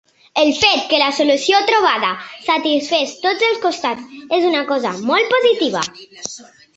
El fet que la solució trobada satisfés tots els costats és una cosa molt positiva.